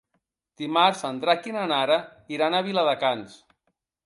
Dimarts en Drac i na Nara iran a Viladecans.